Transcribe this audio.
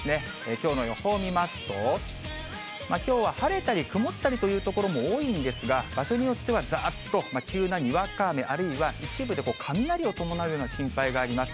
きょうの予報を見ますと、きょうは晴れたり曇ったりという所も多いんですが、場所によってはざーっと急なにわか雨、あるいは一部で雷を伴うような心配があります。